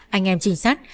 anh em trinh sát